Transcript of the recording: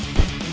ya udah bang